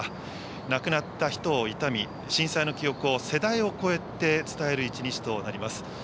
亡くなった人を悼み、震災の記憶を世代を超えて伝える一日となります。